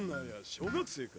小学生か。